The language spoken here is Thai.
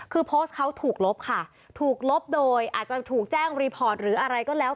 คือโพสต์เขาถูกลบค่ะถูกลบโดยอาจจะถูกแจ้งรีพอร์ตหรืออะไรก็แล้ว